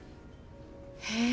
へえ。